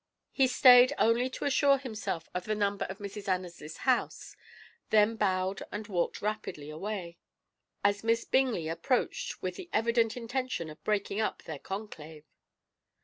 He stayed only to assure himself of the number of Mrs. Annesley's house, then bowed and walked rapidly away, as Miss Bingley approached with the evident intention of breaking up their conclave.